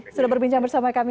sudah berbincang bersama kami